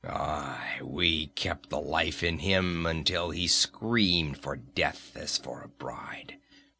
"Aye, we kept the life in him until he screamed for death as for a bride.